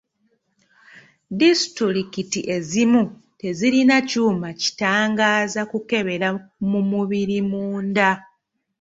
Disitulikiti ezimu tezirina kyuma kitangaaza kukebera mu mubiri munda.